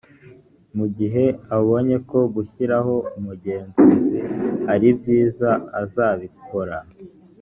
mu gihe abonye ko gushyiraho umugenzuzi aribyiza azabikora